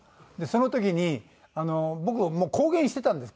その時に僕公言してたんです。